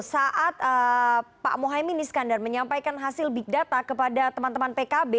saat pak mohaimin iskandar menyampaikan hasil big data kepada teman teman pkb